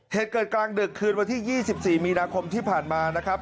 เหตุเกิดกลางดึกคืนวันที่๒๔มีนาคมที่ผ่านมานะครับ